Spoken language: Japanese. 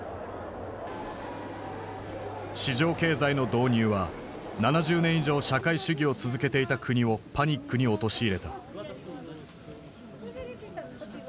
市場経済の導入は７０年以上社会主義を続けていた国をパニックに陥れた。